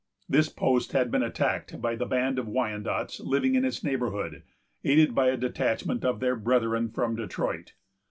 This post had been attacked by the band of Wyandots living in its neighborhood, aided by a detachment of their brethren from Detroit.